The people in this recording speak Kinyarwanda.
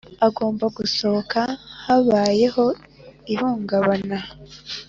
agomba gusohoka habayeho ihungabana